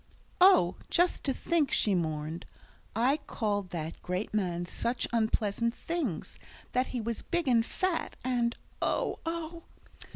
"Oh, just to think," she mourned, "I called that great man such unpleasant things that he was big and fat, and oh, oh!"